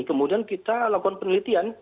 kemudian kita lakukan penelitian